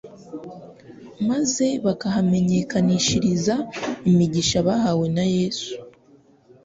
maze bakahamenyekanishiriza imigisha bahawe na Yesu.